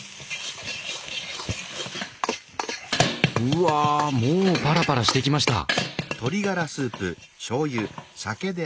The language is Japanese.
うわもうパラパラしてきました！